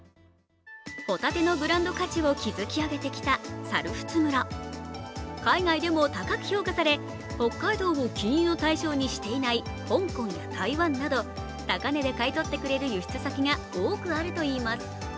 ホタテのブランド価値を築き上げてきた猿払村海外でも高く評価され北海道を禁輸の対象にしていない香港や台湾など高値で買い取ってくれる輸出先が多くあるといいます。